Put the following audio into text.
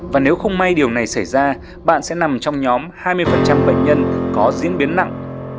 và nếu không may điều này xảy ra bạn sẽ nằm trong nhóm hai mươi bệnh nhân có diễn biến nặng